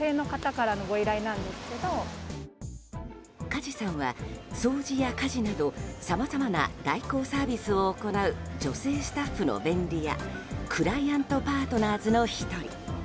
加地さんは、掃除や家事などさまざまな代行サービスを行う女性スタッフの便利屋クライアントパートナーズの１人。